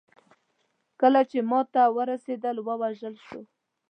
کله چې موته ته ورسېد ووژل شو.